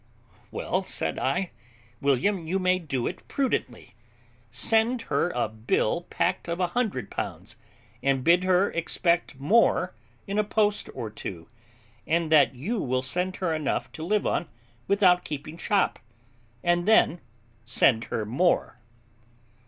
"Well," said I, "William, you may do it prudently; send her a bill backed of a hundred pounds, and bid her expect more in a post or two, and that you will send her enough to live on without keeping shop, and then send her more."